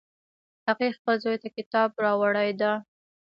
هغې خپل زوی ته کتاب راوړی ده